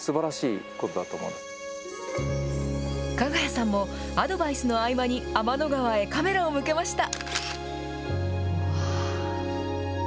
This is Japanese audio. ＫＡＧＡＹＡさんもアドバイスの合間に、天の川へカメラを向けました。